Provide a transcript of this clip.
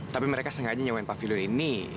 tapi mereka sengaja nyamain bavilion ini